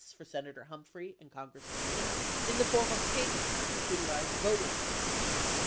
879 Senator Humphrey and Congressman Mills in the form of payment for comnuterized voter lists.